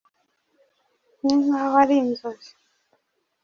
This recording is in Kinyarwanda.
Ninkaho ari inzozi.